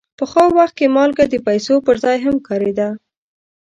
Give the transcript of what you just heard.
پخوا وخت کې مالګه د پیسو پر ځای هم کارېده.